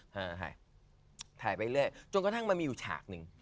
หาถ่ายไปเรื่อยจนกระทั่งมันมีอยู่ฉากหนึ่ง